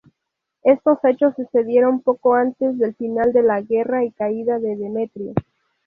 Estos hechos sucedieron poco antes del final de la guerra y caída de Demetrio.